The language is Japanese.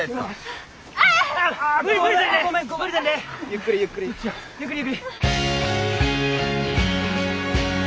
ゆっくりゆっくり。